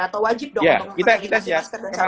atau wajib dong untuk menggunakan masker dan sarung tangan